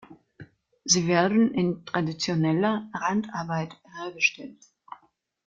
Sie werden in traditioneller Handarbeit hergestellt.